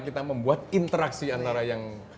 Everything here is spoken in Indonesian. kita membuat interaksi antara yang